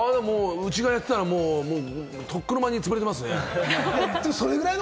うちがやっていたら、とっくに潰れています。